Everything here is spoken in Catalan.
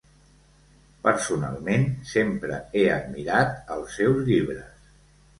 Personalment, sempre he admirat els seus llibres.